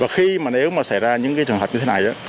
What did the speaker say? khi nếu xảy ra những trường hợp như thế này